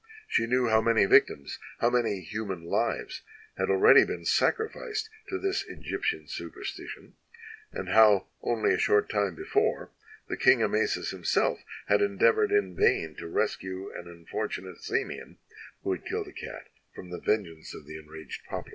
She knew how many \dctims, how many human lives, had already been sacrificed to this Egyptian su perstition, and how, only a short time before, the King Amasis himself had endeavored in vain to rescue an imfortunate Samian, who had killed a cat, from the vengeance of the enraged populace.